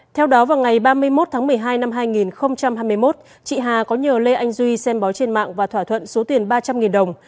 theo đó vào ngày ba mươi một tháng một mươi hai năm hai nghìn hai mươi một chị hà có nhờ lê anh duy xem bó trên mạng và thỏa thuận số tiền ba trăm linh đồng